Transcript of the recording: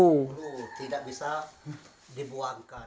tidak bisa dibuangkan